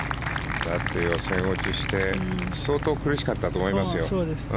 だって予選落ちして相当苦しかったと思いますよ。